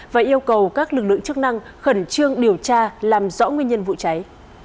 và yêu cầu các lực lượng chức năng khẩn trương điều tra làm rõ nguyên nhân vụ cháy